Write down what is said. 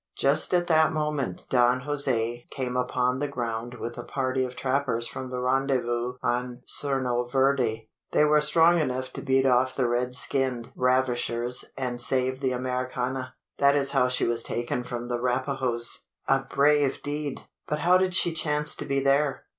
Just at that moment, Don Jose came upon the ground with a party of trappers from the rendezvous on Cuerno Verde. They were strong enough to beat off the red skinned ravishers and save the Americana. That is how she was taken from the Rapahoes." "A brave deed! But how did she chance to be there?